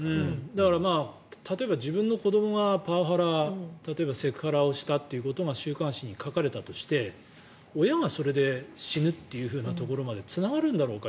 だから、例えば自分の子どもがパワハラ例えば、セクハラをしたということが週刊誌に書かれたとして親がそれで死ぬっていうところまでつながるんだろうか